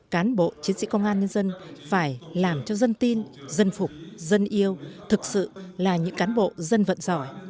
cán bộ chiến sĩ công an nhân dân phải làm cho dân tin dân phục dân yêu thực sự là những cán bộ dân vận giỏi